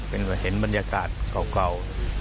เป็นเห็นบรรยากาศเก่า